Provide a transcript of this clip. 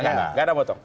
gak ada potong